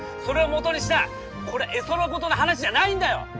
それをもとにしたこれ絵空事の話じゃないんだよ！